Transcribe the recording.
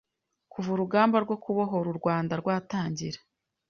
kuva urugamba rwo kubohora u Rwanda rwatangira,